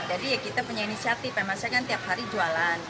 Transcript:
jadi kita punya inisiatif emasnya kan tiap hari jualan